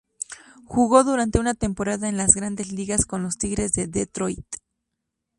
Jugó durante una temporada en las Grandes Ligas con los Tigres de Detroit.